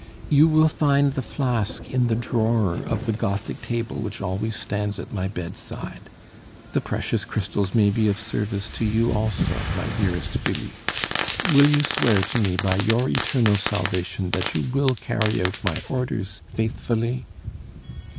You will find the flask in the drawer of the Gothic table which always stands at my bedside. The precious crystals may be of service to you also, my dearest Philippe. Will you swear to me by your eternal salvation that you will carry out my orders faithfully?"